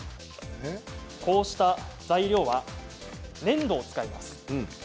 こうした材料は粘土を使います。